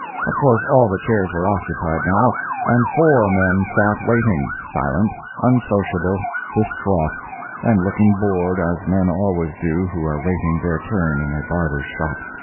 Of course all the chairs were occupied now, and four men sat waiting, silent, unsociable, distraught, and looking bored, as men always do who are awaiting their turn in a barber's shop.